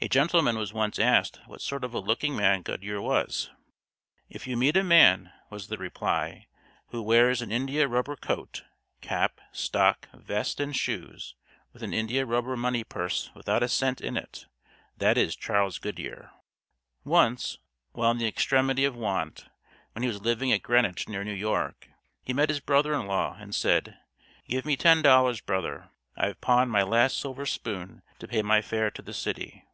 A gentleman was once asked what sort of a looking man Goodyear was. "If you meet a man," was the reply, "who wears an India rubber coat, cap, stock, vest, and shoes, with an India rubber money purse without a cent in it, that is Charles Goodyear." Once, while in the extremity of want, when he was living at Greenwich, near New York, he met his brother in law, and said, "Give me ten dollars, brother; I have pawned my last silver spoon to pay my fare to the city."